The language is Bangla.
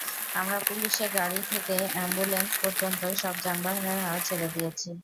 আমরা পুলিশে গাড়ি থেকে অ্যাম্বলেন্স পর্যন্ত সব যানবাহনের হাওয়া ছেড়ে দিয়েছি।